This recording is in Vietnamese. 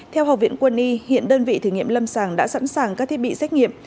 theo học viện quân y hiện đơn vị thử nghiệm lâm sàng đã sẵn sàng các thiết bị xét nghiệm